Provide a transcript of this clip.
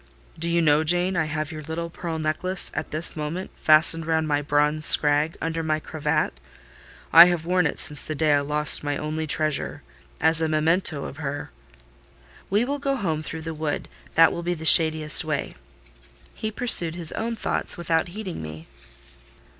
"Do you know, Jane, I have your little pearl necklace at this moment fastened round my bronze scrag under my cravat? I have worn it since the day I lost my only treasure, as a memento of her." "We will go home through the wood: that will be the shadiest way." He pursued his own thoughts without heeding me.